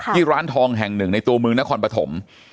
ที่ร้านทองแห่งหนึ่งในตัวเมืองนครปฐม